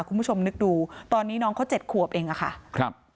คุณผู้ชมนึกดูตอนนี้น้องเขาเจ็ดขวบเองอะค่ะครับ